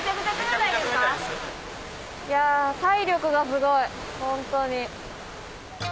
いや体力がすごいホントに。